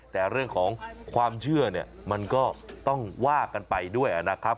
แต่เรื่องของความเชื่อเนี่ยมันก็ต้องว่ากันไปด้วยนะครับ